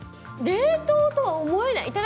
冷凍とは思えない。